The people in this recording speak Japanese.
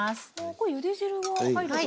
これゆで汁が入るといいんですか？